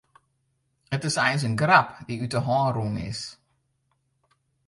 It is eins in grap dy't út de hân rûn is.